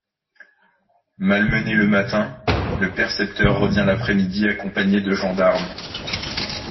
Malmené le matin, le percepteur revient l'après-midi accompagné de gendarmes.